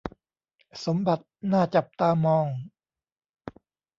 สมบัติน่าจับตามอง